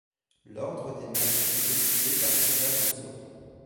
L'ordre des matchs est décidé par tirage au sort.